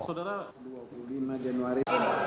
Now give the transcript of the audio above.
saudara dua puluh lima januari